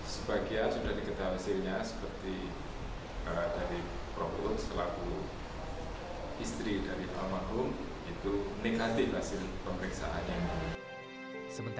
sebagian sudah diketahui hasilnya seperti dari propuls selaku istri dari almarhum itu negatif hasil pemeriksaannya